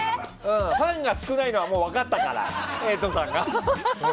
ファンが少ないのは分かったから瑛人さんが。